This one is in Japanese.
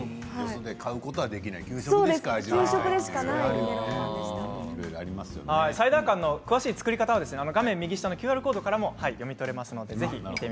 買うことはできない給食でしか味わえないサイダーかんの詳しい作り方は画面右下のＱＲコードからも読み取れます。